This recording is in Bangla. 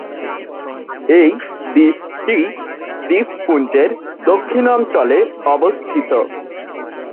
এই দ্বীপটি দ্বীপপুঞ্জের দক্ষিণাঞ্চলে অবস্থিত।